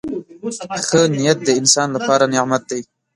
• ښه نیت د انسان لپاره نعمت دی.